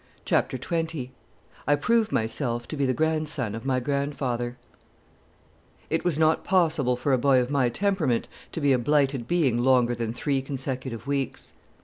Chapter Twenty I Prove Myself To Be the Grandson of My Grandfather It was not possible for a boy of my temperament to be a blighted being longer than three consecutive weeks.